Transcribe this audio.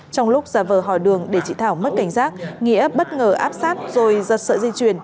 trong lúc ra vờ hỏi đường để chị thảo mất cảnh giác nghĩa bất ngờ áp sát rồi giật sợi dây chuyền